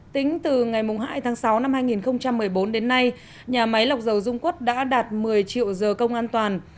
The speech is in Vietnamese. tính từ ngày hai tháng sáu năm hai nghìn một mươi bốn đến nay nhà máy lọc dầu dung quất đã đạt một mươi triệu giờ công an toàn